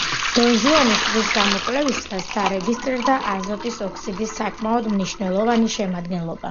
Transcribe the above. დონ-ჟუანის ტბის გამოკვლევისას დარეგისტრირდა აზოტის ოქსიდის საკმაოდ მნიშვნელოვანი შემადგენლობა.